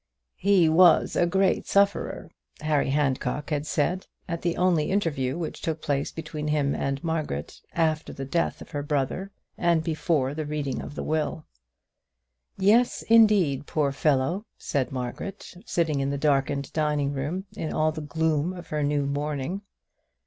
"He was a great sufferer," Harry Handcock had said, at the only interview which took place between him and Margaret after the death of her brother and before the reading of the will. "Yes indeed, poor fellow," said Margaret, sitting in the darkened dining room, in all the gloom of her new mourning.